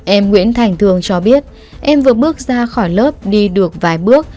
em nguyễn thành thường cho biết em vừa bước ra khỏi lớp đi được vài bước